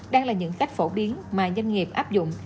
đang là những cách phổ biến mà doanh nghiệp áp dụng